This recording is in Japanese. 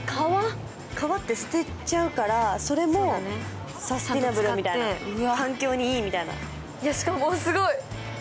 皮って捨てちゃうから、それもサステナブル、環境にいいみたいな。